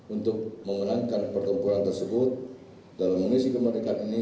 untuk memenangkan pertempuran tersebut dalam misi kemerdekaan ini